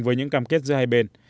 với những cam kết giữa hai bên